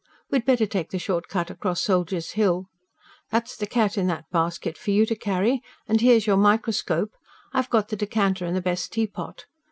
We'd better take the short cut across Soldiers' Hill. That's the cat in that basket, for you to carry, and here's your microscope. I've got the decanter and the best teapot.